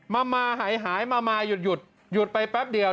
มาหายมามาหยุดหยุดไปแป๊บเดียว